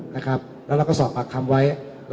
แล้วเราก็สอบปากคำไว้